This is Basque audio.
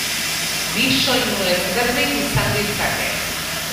Bi soinu ezberdin izan ditzake.